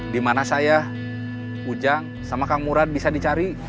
dimana saya ujang sama kang murad bisa dicari